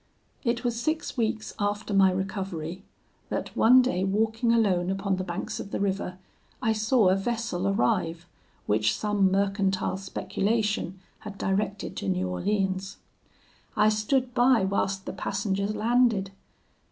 "It was six weeks after my recovery that, one day walking alone upon the banks of the river, I saw a vessel arrive, which some mercantile speculation had directed to New Orleans. I stood by whilst the passengers landed.